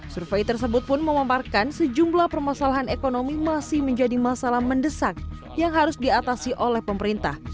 survei tersebut pun memamparkan sejumlah permasalahan ekonomi masih menjadi masalah mendesak yang harus diatasi oleh pemerintah